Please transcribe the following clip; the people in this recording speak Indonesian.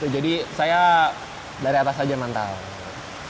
jadi saya dari atas aja mantap